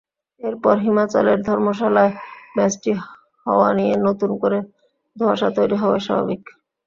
এরপর হিমাচলের ধর্মশালায় ম্যাচটি হওয়া নিয়ে নতুন করে ধোঁয়াশা তৈরি হওয়াই স্বাভাবিক।